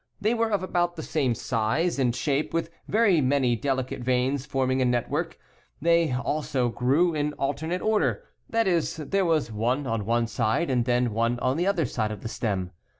They were of about the same size and shape with very many delicate veins forming a network. They also grew in alternate order, that is, there was one on one side and then one on the other side of the stem.